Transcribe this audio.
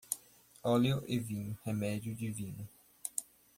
Óleo e vinho, remédio divino.